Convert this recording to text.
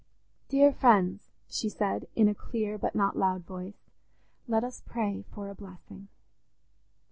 "Dear friends," she said in a clear but not loud voice "let us pray for a blessing."